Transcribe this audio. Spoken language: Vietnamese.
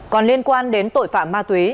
còn liên quan đến tội phạm ma túy